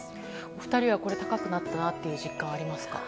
お二人は、これ高くなったなという実感、ありますか？